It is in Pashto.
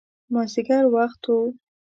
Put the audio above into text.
مازدیګر وخت و.